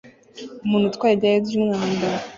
Umuntu utwara igare ryumwanda